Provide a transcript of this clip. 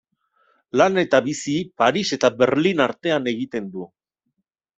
Lan eta bizi Paris eta Berlin artean egiten du.